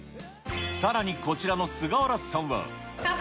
さらにこちらの菅原さんは。